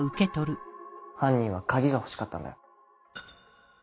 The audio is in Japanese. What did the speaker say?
犯人は鍵が欲しかったんだよ。